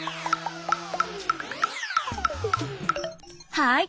はい！